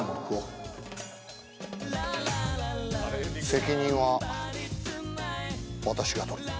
責任は私がとる。